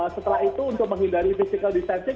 setelah itu untuk menghindari physical distancing